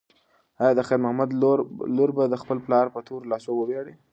ایا د خیر محمد لور به د خپل پلار په تورو لاسو وویاړي؟